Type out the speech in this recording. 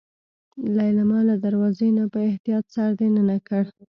ليلما له دروازې نه په احتياط سر دننه کړ.